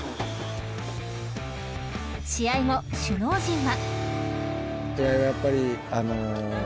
［試合後首脳陣は］